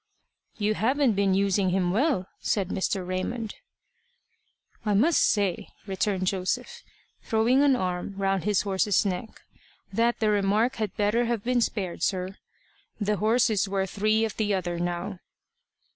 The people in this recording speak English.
"You haven't been using him well," said Mr. Raymond. "I must say," returned Joseph, throwing an arm round his horse's neck, "that the remark had better have been spared, sir. The horse is worth three of the other now."